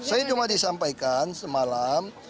saya cuma disampaikan semalam